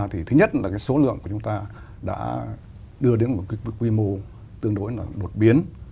thì thứ nhất là số lượng của chúng ta đã đưa đến một quy mô tương đối đột biến